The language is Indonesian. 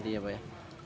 enam puluh cm pak ya